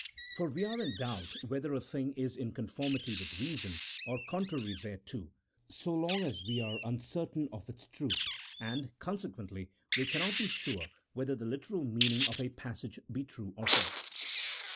For we are in doubt whether a thing is 116 A THE0L0GIC0 P0LITICAL TREATISE. [CHAP. TIL in conformity with reason, or contrary thereto, so long as we are uncertain of its truth, and, consequently, we cannot be sure whether the literal meaning of a passage be true or false.